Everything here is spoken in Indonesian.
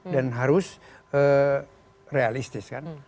dan harus realistis kan